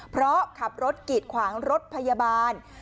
เพราะขับรถกีดขวางรถพยาบาล